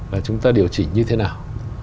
là chúng ta điều chỉnh như thế nào